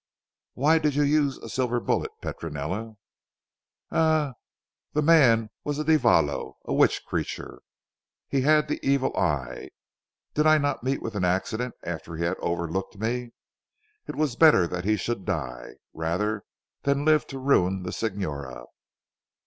"Why did you use a silver bullet Petronella?" "Eh! the man was a diavolo a witch creature he had the evil eye. Did I not meet with an accident after he had over looked me. It was better he should die, rather than live to ruin the Signora.